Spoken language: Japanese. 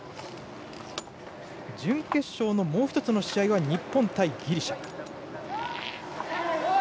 準決勝のもう１つの試合は日本対ギリシャ。